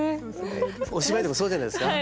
お芝居でもそうじゃないですか。